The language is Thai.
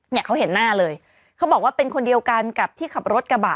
เนี่ยเขาเห็นหน้าเลยเขาบอกว่าเป็นคนเดียวกันกับที่ขับรถกระบะ